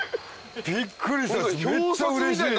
びっくりした。